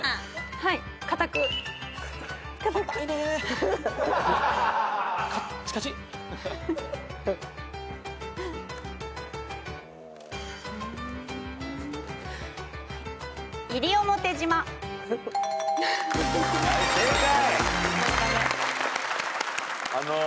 はい正解。